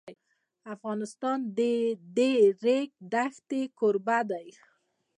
افغانستان د د ریګ دښتې کوربه دی.